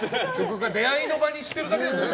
出会いの場にしてるだけですよね。